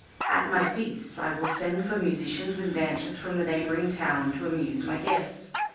At my feasts I will send for musicians and dancers from the neighbouring town to amuse my guests.